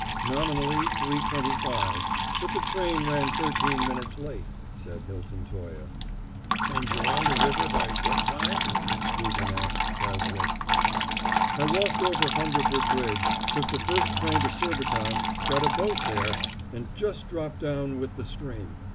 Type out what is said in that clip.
"Nominally three twenty five; but the train ran thirteen minutes late," said Hilton Toye. "And you're on the river by what time?" Scruton asked Cazalet. "I walked over Hungerford Bridge, took the first train to Surbiton, got a boat there, and just dropped down with the stream.